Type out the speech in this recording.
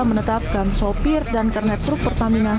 menetapkan sopir dan kernet truk pertamina